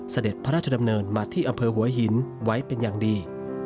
เสด็จพระราชดำเนินมาที่อำเภอหัวหินไว้เป็นอย่างดี